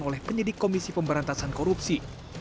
oleh penyidik komisi pemberantasan korupsi